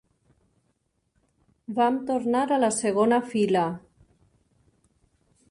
Vam tornar a la segona fila.